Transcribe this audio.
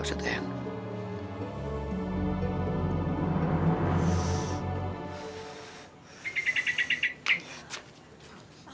apakah a ma